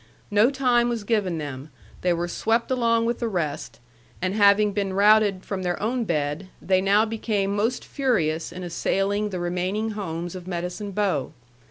No time was given them. They were swept along with the rest; and having been routed from their own bed, they now became most furious in assailing the remaining homes of Medicine Bow.